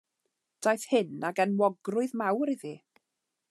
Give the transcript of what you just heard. Daeth hyn ag enwogrwydd mawr iddi.